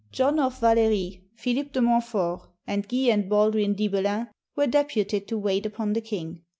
John of Vallery, PhiHp de Montfort, and Guy and Baldwin dTbeUn were deputed to wait upon the king.